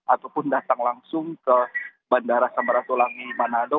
ataupun datang langsung ke bandara samratulangi manado